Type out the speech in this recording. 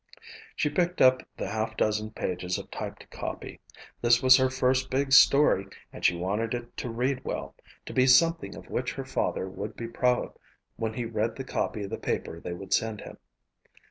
She picked up the half dozen pages of typed copy. This was her first big story and she wanted it to read well, to be something of which her father would be proud when he read the copy of the paper they would send him.